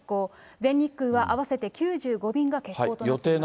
全日空は合わせて９５便が欠航となっています。